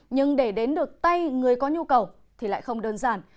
nhưng để đến được tay người có nhu cầu thì lại không đơn giản